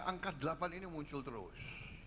angka delapan ini muncul terus